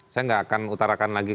saya nggak akan utarakan lagi